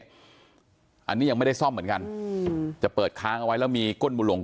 อันนี้ยังไม่ได้ซ่อมเหมือนกันจะเปิดค้างเอาไว้แล้วมีก้นบุหลวง